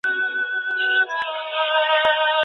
ستا د راتللو، زما د تللو کيسه ختمه نه ده